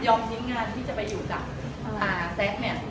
ยอกทิ้งงานไปอยู่กับแซคก็กลับ